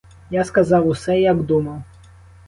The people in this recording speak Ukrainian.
Я сказав усе, як думав.